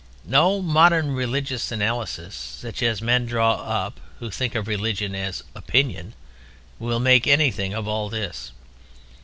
No modern religious analysis such as men draw up who think of religion as Opinion will make anything of all this.